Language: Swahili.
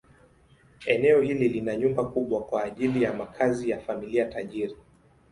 Eneo hili lina nyumba kubwa kwa ajili ya makazi ya familia tajiri.